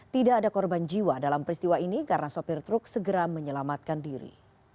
tidak ada korban jiwa dalam peristiwa ini karena sopir truk segera menyelamatkan diri